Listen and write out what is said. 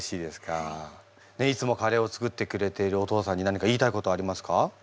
いつもカレーを作ってくれているお父さんに何か言いたいことありますか？